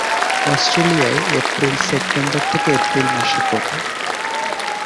অস্ট্রেলিয়ায় এর ফুল সেপ্টেম্বর থেকে এপ্রিল মাসে ফোটে।